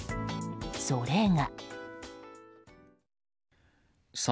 それが。